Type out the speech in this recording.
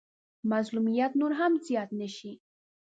مظلوميت يې نور هم زيات نه شي.